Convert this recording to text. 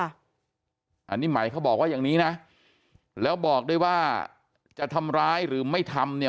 อันนี้ไหมเขาบอกว่าอย่างนี้นะแล้วบอกด้วยว่าจะทำร้ายหรือไม่ทำเนี่ย